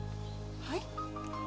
はい？